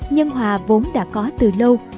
nhân hòa vốn đã có từ lâu